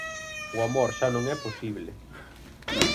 O amor xa non é posible.